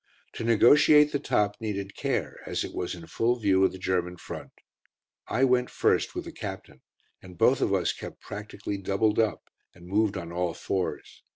To negotiate the top needed care as it was in full view of the German front. I went first with the Captain, and both of us kept practically doubled up, and moved on all fours.